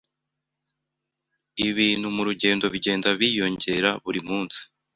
Ibintu murugo bigenda byiyongera buri munsi.